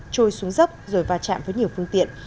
trôi xuống dốc rồi va chạm với nhiều phương tiện